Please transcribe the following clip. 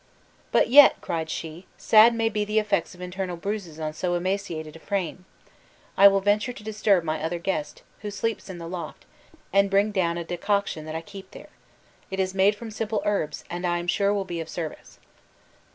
"But yet," cried she, "sad may be the effects of internal bruises on so emaciated a frame. I will venture to disturb my other guest, who sleeps in the loft, and bring down a decoction that I keep there. It is made from simple herbs, and I am sure will be of service."